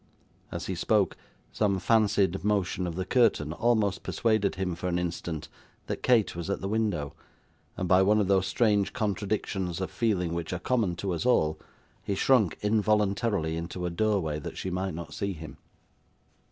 As he spoke, some fancied motion of the curtain almost persuaded him, for the instant, that Kate was at the window, and by one of those strange contradictions of feeling which are common to us all, he shrunk involuntarily into a doorway, that she might not see him.